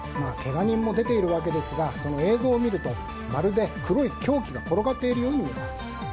けが人も出ているわけですがその映像を見るとまるで黒い凶器が転がっているように見えます。